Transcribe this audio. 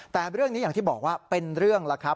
แต่เรื่องนี้อย่างที่บอกว่าเป็นเรื่องแล้วครับ